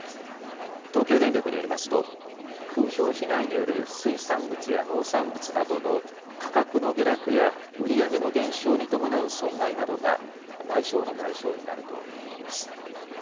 東京電力によりますと風評被害による水産物や農産物などの価格の下落や売り上げの減少に伴う損害などが賠償の対象になるということです。